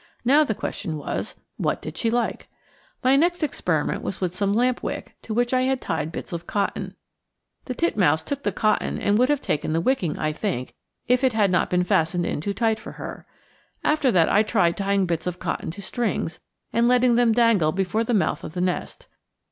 Now the question was, what did she like? My next experiment was with some lamp wick to which I had tied bits of cotton. The titmouse took the cotton and would have taken the wicking, I think, if it had not been fastened in too tight for her. After that I tried tying bits of cotton to strings, and letting them dangle before the mouth of the nest.